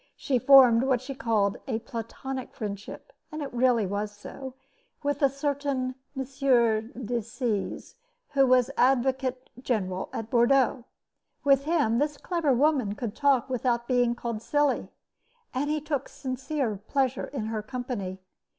She formed what she called a platonic friendship and it was really so with a certain M. de Seze, who was advocate general at Bordeaux. With him this clever woman could talk without being called silly, and he took sincere pleasure in her company.